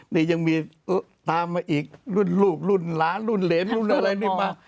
นี่ยังมีตามมาอีกรุ่นลูกรุ่นหลานรุ่นเหรนรุ่นอะไรนี่มา